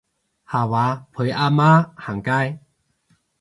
下晝陪阿媽行街